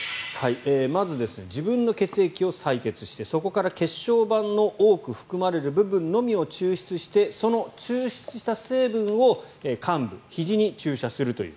まず自分の血液を採血してそこから血小板の多く含まれる部分のみを抽出して、その抽出した成分を患部、ひじに注射するという。